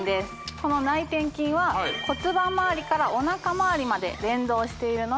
この内転筋は骨盤周りからお腹周りまで連動しているので